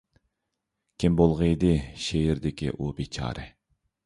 كىم بولغىيدى شېئىردىكى ئۇ بىچارە؟